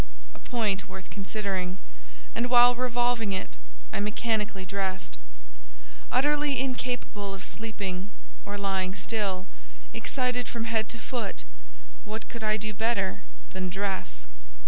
A point worth considering; and while revolving it, I mechanically dressed. Utterly incapable of sleeping or lying still—excited from head to foot—what could I do better than dress?